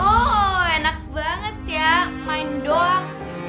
oh enak banget ya main doang